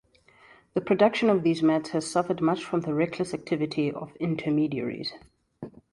The production of these mats has suffered much from the reckless activity of intermediaries.